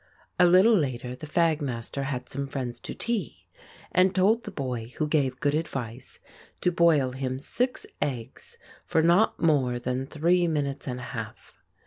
A little later the fag master had some friends to tea, and told the boy who gave good advice to boil him six eggs for not more than three minutes and a half.